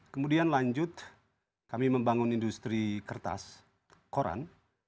kemudian lanjut kami membangun industri kertas koran